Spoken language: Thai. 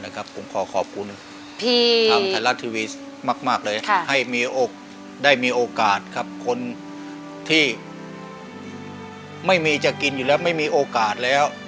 ทำไทยรัฐทีวีมากเลยให้มีโอกาสคนที่ไม่มีจะกินอยู่แล้วไม่มีโอกาสแล้ว